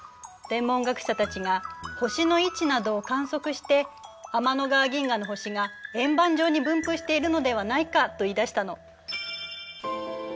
天文学者たちが星の位置などを観測して天の川銀河の星が円盤状に分布しているのではないかと言いだしたの。